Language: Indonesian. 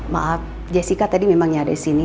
maaf jessica tadi memangnya ada disini